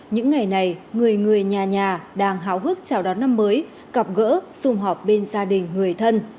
những ngày này người người nhà nhà đang háo hức chào đón năm mới gặp gỡ xung họp bên gia đình người thân